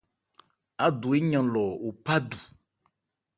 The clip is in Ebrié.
Ádu éyan lɔ o phá du.